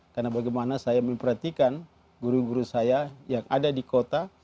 karena bagaimana saya memperhatikan guru guru saya yang ada di kota